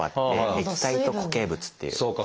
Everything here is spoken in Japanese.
液体と固形物っていう。